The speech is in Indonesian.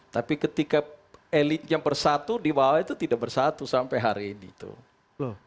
tapi ketika elitnya bersatu dibawa itu tidak bersatu sampai hari ini tuh